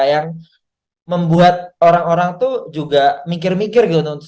yang membuat orang orang tuh juga mikir mikir gitu untuk speak out